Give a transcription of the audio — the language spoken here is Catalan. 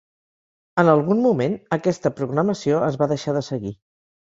En algun moment, aquesta programació es va deixar de seguir.